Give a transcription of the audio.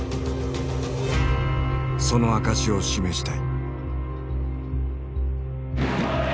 その証しを示したい。